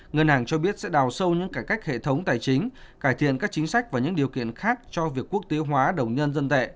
ngân hàng cho biết sẽ đào sâu những cải cách hệ thống tài chính cải thiện các chính sách và những điều kiện khác cho việc quốc tế hóa đồng nhân dân tệ